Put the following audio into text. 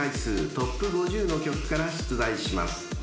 ＴＯＰ５０の曲から出題します］